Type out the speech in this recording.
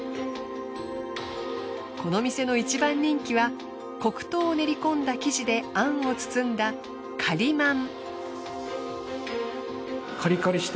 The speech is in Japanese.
この店の一番人気は黒糖を練りこんだ生地であんを包んだかりまん。